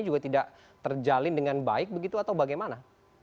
juga tidak terjalin dengan baik begitu atau bagaimana